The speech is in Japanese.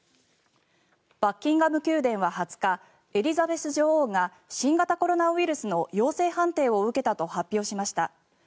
バッキンガム宮殿は２０日エリザベス女王が新型コロナウイルスの陽性判定を受けたと発表しました。